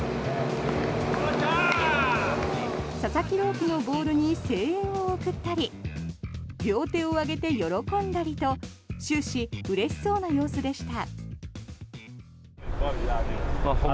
佐々木朗希のボールに声援を送ったり両手を挙げて喜んだりと終始うれしそうな様子でした。